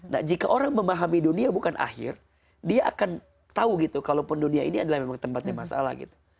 nah jika orang memahami dunia bukan akhir dia akan tahu gitu kalaupun dunia ini adalah memang tempatnya masalah gitu